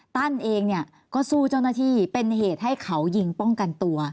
เองเนี่ยก็สู้เจ้าหน้าที่เป็นเหตุให้เขายิงป้องกันตัว